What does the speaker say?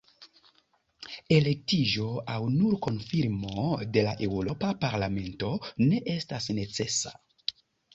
Elektiĝo aŭ nur konfirmo de la Eŭropa Parlamento ne estas necesa.